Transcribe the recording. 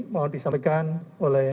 mau disampaikan oleh